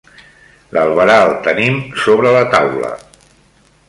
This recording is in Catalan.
L'albarà el tenim sobre la taula.